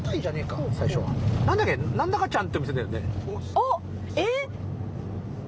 あっ！えっ！？。